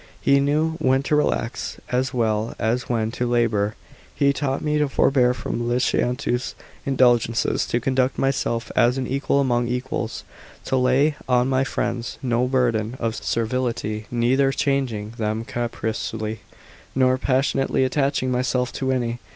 He knew when to relax, as well as when to labour ; he taught me to forbear from licentious indulgences: to conduct myself as an * Mtttercula mea. Ifil A.U. CHARACTEK OF ANTONINtJS. 531 equal among equals; to lay on my friends no burden of servility, neither changing them capriciously, nor passionately attaching mysdf to any.